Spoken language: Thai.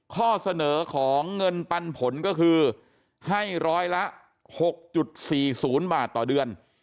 ข้อเสนอของเงินปันผลก็คือให้ร้อยละ๖๔๐บาทต่อเดือน